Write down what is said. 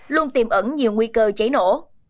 luôn tiềm ẩn nhiều nguy cơ cháy nổ